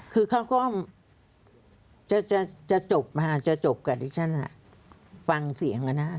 คือเขาก็จะจบการิชั่นฟังเสียงกันนะ